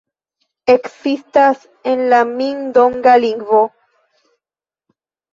Ekzistas en la Min-donga lingvo.